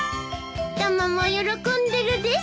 タマも喜んでるです。